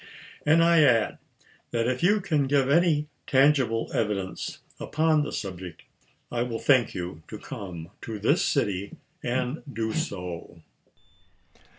And I add that if you can give any tangible evidence upon the subject, I will thank you to come to this city and do so.